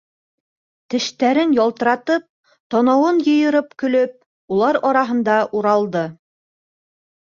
Тештәрен ялтыратып, танауын йыйырып көлөп, улар араһында уралды.